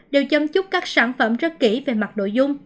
đều chăm chúc các sản phẩm rất kỹ về mặt nội dung